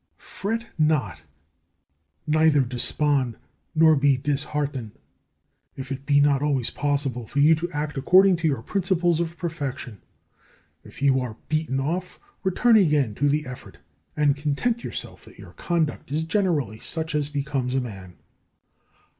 9. Fret not, neither despond nor be disheartened, if it be not always possible for you to act according to your principles of perfection. If you are beaten off, return again to the effort, and content yourself that your conduct is generally such as becomes a man.